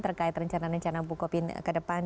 terkait rencana rencana bukopin ke depan